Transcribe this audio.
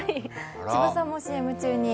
千葉さんもＣＭ中に。